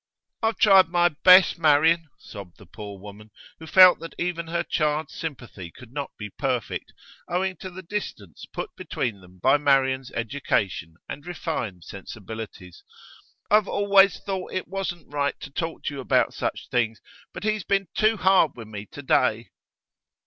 'I've tried my best, Marian,' sobbed the poor woman, who felt that even her child's sympathy could not be perfect, owing to the distance put between them by Marian's education and refined sensibilities. 'I've always thought it wasn't right to talk to you about such things, but he's been too hard with me to day.